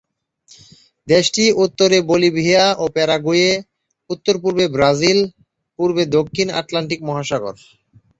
দেশটি উত্তরে বলিভিয়া ও প্যারাগুয়ে, উত্তর-পূর্বে ব্রাজিল, পূর্বে দক্ষিণ আটলান্টিক মহাসাগর।